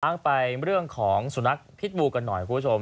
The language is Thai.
เอาไปเรื่องของสุนัขพิษบูกันหน่อยคุณผู้ชม